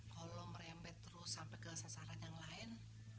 kolom merembet terus sampai ke sasaran yang lain